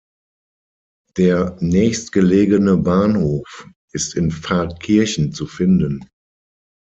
Der nächstgelegene Bahnhof ist in Pfarrkirchen zu finden.